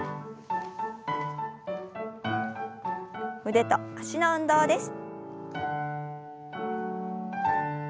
腕と脚の運動です。